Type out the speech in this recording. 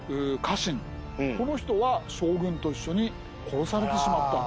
この人は将軍と一緒に殺されてしまった。